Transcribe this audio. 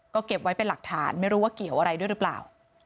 ก็เก็บไว้เป็นหลักฐานไม่รู้ว่าเกี่ยวอะไรด้วยหรือเปล่า